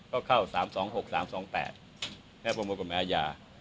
ก็เข้า๓๒๖๓๒๘แค่ประมวลกฎหมายอาญา